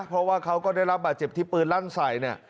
เพราะว่าเขาก็ได้รับบาดเจ็บที่ปืนลั่นใส่เนี่ย